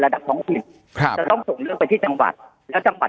ระดับท้องถิ่มครับจะต้องทรลี้งไปที่จังหวาดแล้วจังหวาด